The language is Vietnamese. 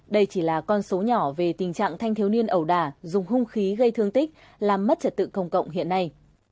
đây chỉ là con số nhỏ về tình trạng thanh thiếu niên ẩu đà dùng hung khí gây thương tích làm mất trật tự công cộng hiện nay